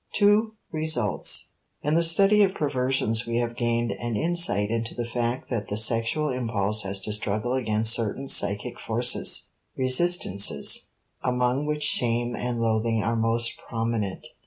*Two Results.* In the study of perversions we have gained an insight into the fact that the sexual impulse has to struggle against certain psychic forces, resistances, among which shame and loathing are most prominent.